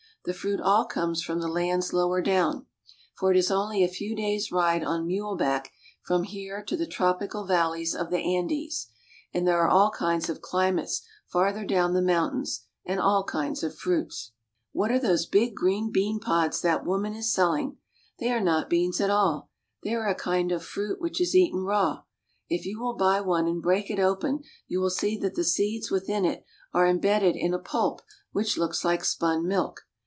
The fruit all comes from the lands lower down, for it is only a LA PAZ. 91 few days' ride on muleback from here to the tropical val leys of the Andes, and there are all kinds of climates farther down the mountains, and all kinds of fruits. Bolivian Boys. What are those big green bean pods that woman is sell ing? They are not beans at all. They are a kind of fruit which is eaten raw. If you will buy one and break it open you will see that the seeds within it are imbedded in a pulp which looks like spun silk.